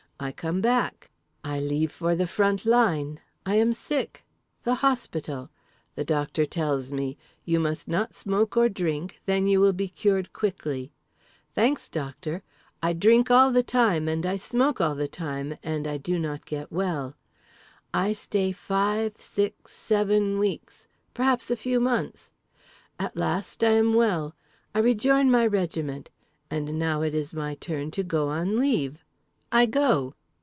I come back. I leave for the front line. I am sick. The hospital. The doctor tells me: you must not smoke or drink, then you will be cured quickly. 'Thanks, doctor!' I drink all the time and I smoke all the time and I do not get well. I stay five, six, seven weeks. Perhaps a few months. At last, I am well. I rejoin my regiment. And now it is my turn to go on leave. I go.